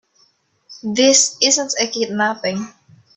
This isn't a kidnapping.